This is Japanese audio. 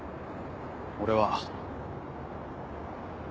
俺は。